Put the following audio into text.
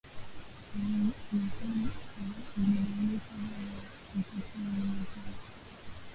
mahama ilibainisha hayo wakati wa uamuzi wake